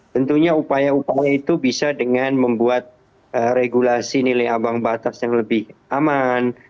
tentunya upaya upaya itu bisa dengan membuat regulasi nilai abang batas yang lebih aman